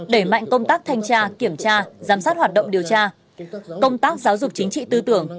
đẩy mạnh công tác thanh tra kiểm tra giám sát hoạt động điều tra công tác giáo dục chính trị tư tưởng